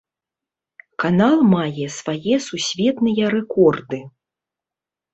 Канал мае свае сусветныя рэкорды.